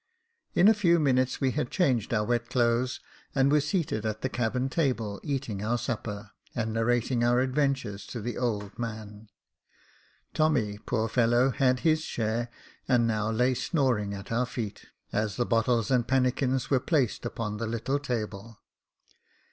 In a few minutes we had changed our wet clothes and were seated at the cabin table, eating our supper, and narrating our adventures to the old man. Tommy, poor fellow, had his share, and now lay snoring at our feet, as the bottles and pannikins were placed upon the little table.